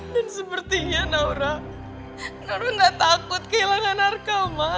dan sepertinya naura naura gak takut kehilangan arka ma